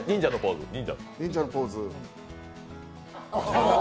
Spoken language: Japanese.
忍者のポーズ。